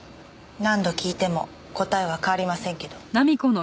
何度聞いても答えは変わりませんけど。